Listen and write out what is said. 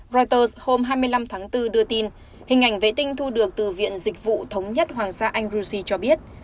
reuters hôm hai mươi năm tháng bốn đưa tin hình ảnh vệ tinh thu được từ viện dịch vụ thống nhất hoàng gia anh gushi cho biết